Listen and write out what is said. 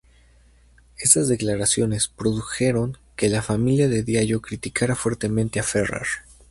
Estas declaraciones produjeron que la familia de Diallo criticara fuertemente a Ferrer.